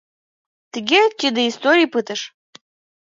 Тыге тиде историй пытыш.